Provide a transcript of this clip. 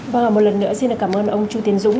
vâng một lần nữa xin cảm ơn ông chu tiến dũng